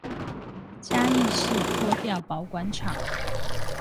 嘉義市拖吊保管場